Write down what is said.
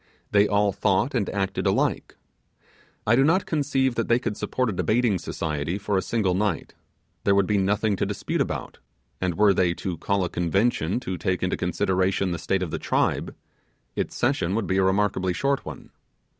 They all thought and acted alike. I do not conceive that they could support a debating society for a single night: there would be nothing to dispute about; and were they to call a convention to take into consideration the state of the tribe, its session would be a remarkably short one.